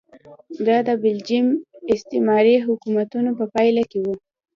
دا د بلجیم استعماري حکومتونو په پایله کې و.